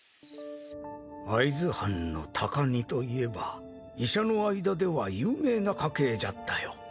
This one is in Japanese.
会津藩の高荷といえば医者の間では有名な家系じゃったよ。